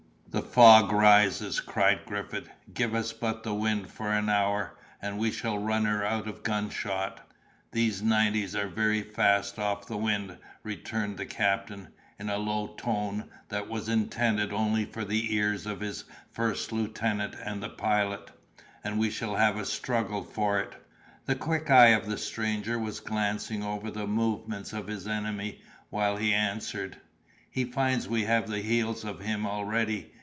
"The fog rises!" cried Griffith; "give us but the wind for an hour, and we shall run her out of gunshot!" "These nineties are very fast off the wind," returned the captain, in a low tone, that was intended only for the ears of his first lieutenant and the Pilot; "and we shall have a struggle for it." The quick eye of the stranger was glancing over the movements of his enemy, while he answered— "He finds we have the heels of him already!